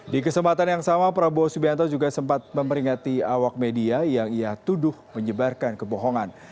di kesempatan yang sama prabowo subianto juga sempat memeringati awak media yang ia tuduh menyebarkan kebohongan